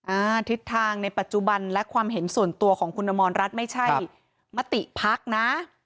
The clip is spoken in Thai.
อ่าทิศทางในปัจจุบันและความเห็นส่วนตัวของคุณอมรรัฐไม่ใช่มติพักนะ